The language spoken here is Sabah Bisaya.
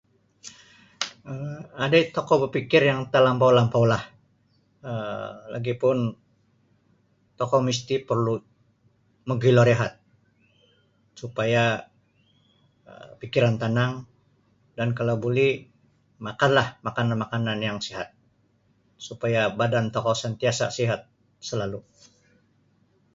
um Adai tokou bapikir yang talampaun-lampau lah um lagi pun tokou misti perlu magilo rehat supaya um pikiran tanang dan kalau boleh makanlah makanan yang sihat suapaya badan tokou santiasa sihat salalu.